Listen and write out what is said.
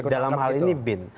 dalam hal ini bin